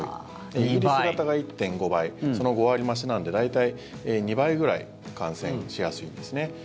イギリス型が１．５倍その５割増しなので大体２倍ぐらい感染しやすいんですね。